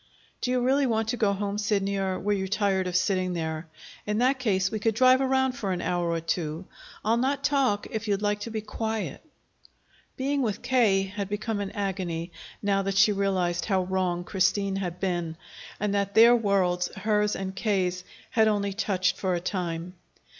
"Do you really want to go home, Sidney, or were you tired of sitting there? In that case, we could drive around for an hour or two. I'll not talk if you'd like to be quiet." Being with K. had become an agony, now that she realized how wrong Christine had been, and that their worlds, hers and K.'s, had only touched for a time.